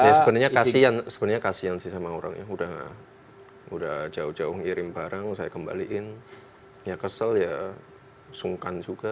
sebenarnya kasian sih sama orangnya udah jauh jauh ngirim barang saya kembaliin ya kesel ya sungkan juga